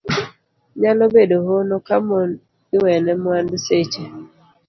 Nyalo bedo hono ka mon iwene mwandu seche